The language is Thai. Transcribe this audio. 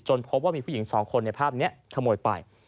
พบว่ามีผู้หญิงสองคนในภาพนี้ขโมยไป